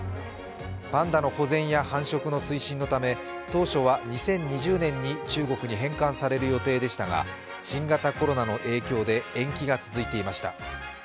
パンダの保全や繁殖の推進のため当初は２０２０年に中国に返還される予定でしたが新型コロナの影響で延期が続いていました。